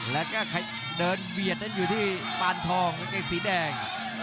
แล้วก็เดินเบียดนั้นอยู่ที่ปานทองกางเกงสีแดง